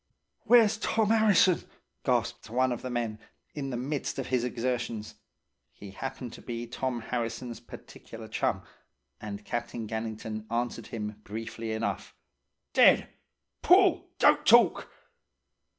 "'Where's Tom 'Arrison?" gasped one of the men, in the midst of his exertions. He happened to be Tom Harrison's particular chum, and Captain Gannington answered him briefly enough: "'Dead! Pull! Don't talk!"